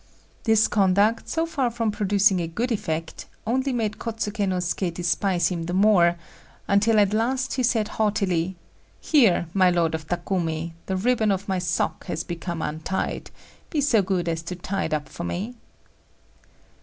This conduct, so far from producing a good effect, only made Kôtsuké no Suké despise him the more, until at last he said haughtily: "Here, my Lord of Takumi, the ribbon of my sock has come untied; be so good as to tie it up for me."